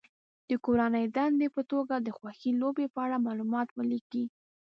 د کورنۍ دندې په توګه د خوښې لوبې په اړه معلومات ولیکي.